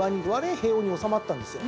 平穏に収まったんですよ。